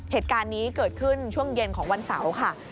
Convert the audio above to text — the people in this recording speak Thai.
เหตุการณ์นี้เกิดขึ้นช่วงเย็นของวันเสาร์ค่ะ